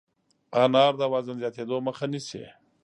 انار د وزن زیاتېدو مخه نیسي.